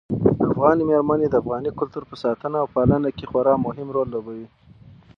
افغان مېرمنې د افغاني کلتور په ساتنه او پالنه کې خورا مهم رول لوبوي.